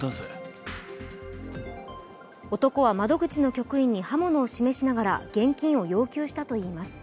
男は窓口の局員に刃物を示しながら現金を要求したといいます。